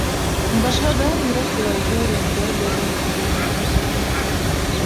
Başga-da ýürek bulaýjy reňkler göz öňüňe gelýär.